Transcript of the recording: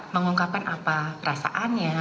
mengungkapkan apa rasaannya